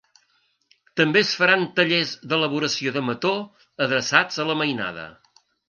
També es faran tallers d’elaboració de mató adreçats a la mainada.